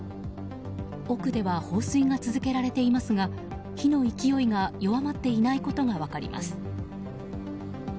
奥では放水が続けられていますが火の勢いが弱まっていないことが分かります。